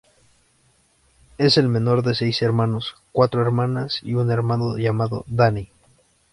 Es el menor de seis hermanos, cuatro hermanas y un hermano llamado Danny.